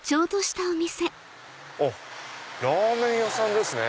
あっラーメン屋さんですね。